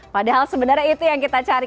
padahal sebenarnya itu yang kita cari